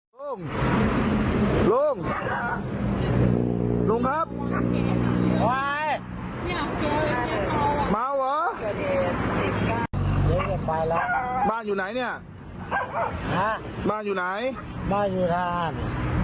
ลูกลูกครับมาวอ๋อบ้านอยู่ไหนเนี่ยอ่าบ้านอยู่ไหนบ้านอยู่ทาง